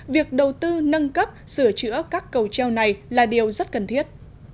việc đầu tư nâng cấp sửa chữa các cầu treo này là điều rất cần thiết